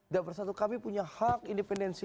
dan persatu kami punya hak independensi